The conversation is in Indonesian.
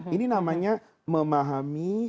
ini namanya memahami